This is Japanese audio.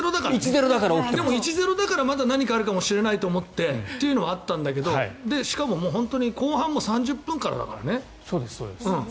１−０だから何か起きるかもしれないっていうのもあったんだけどしかも、本当に後半も３０分からだからね。